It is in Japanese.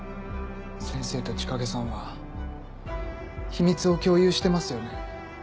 先生と千景さんは秘密を共有してますよね？